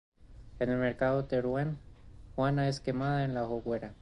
En el mercado de Rouen, Juana es quemada en la hoguera.